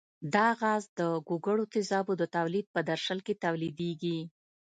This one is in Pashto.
دا غاز د ګوګړو تیزابو د تولید په درشل کې تولیدیږي.